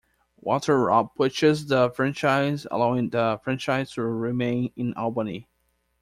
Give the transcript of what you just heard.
Walter Robb purchased the franchise, allowing the franchise to remain in Albany.